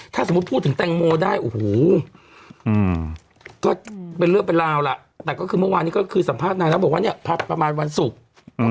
ถ้าสมมุติพูดถึงแตงโมได้โอ้โหก็เป็นเรื่องเป็นราวล่ะแต่ก็คือเมื่อวานนี้ก็คือสัมภาษณ์นางแล้วบอกว่าเนี่ยพอประมาณวันศุกร์